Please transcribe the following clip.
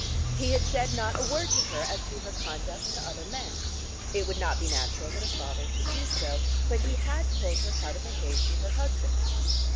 He had said not a word to her as to her conduct to other men. It would not be natural that a father should do so. But he had told her how to behave to her husband.